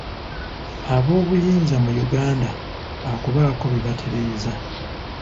Aboobuyinza mu Uganda baakubaako bye batereeza.